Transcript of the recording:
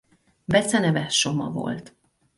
Beceneve Soma volt.